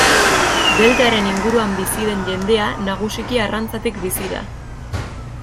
Deltaren inguruan bizi den jendea, nagusiki arrantzatik bizi da.